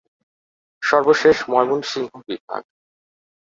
সর্বশেষ ময়মনসিংহ বিভাগ।